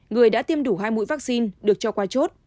người đã tiêm đủ hai mũi vaccine được cho qua chốt